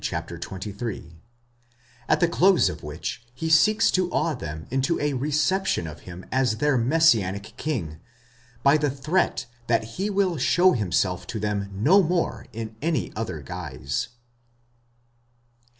xxiii), at the close of which he seeks to awe them into a reception of him as their messianic king, by the threat that he will show himself to them no more in any other guise.